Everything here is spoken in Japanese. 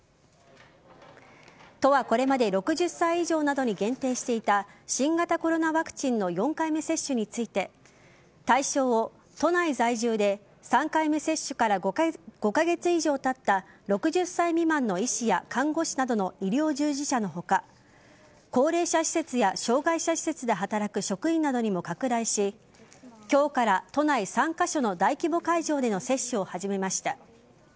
都はこれまで６０歳以上などに限定していた新型コロナワクチンの４回目接種について対象を都内在住で３回目接種から５カ月以上たった６０歳未満の医師や看護師などの医療従事者の他高齢者施設や障害者施設で働く職員などにも拡大し今日から都内３カ所の大規模会場での接種を始めました。